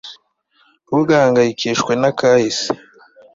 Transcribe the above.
ntugahangayikishwe na kahise